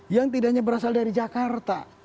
yang tidak hanya berasal dari jakarta